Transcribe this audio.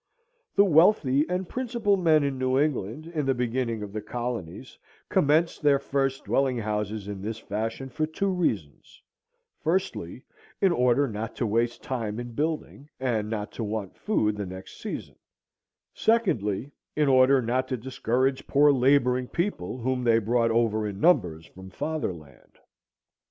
The wealthy and principal men in New England, in the beginning of the colonies, commenced their first dwelling houses in this fashion for two reasons; firstly, in order not to waste time in building, and not to want food the next season; secondly, in order not to discourage poor laboring people whom they brought over in numbers from Fatherland.